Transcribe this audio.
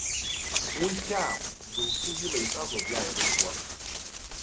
Уи хьаам, дасу илаиҵазоуп иааирыхуа.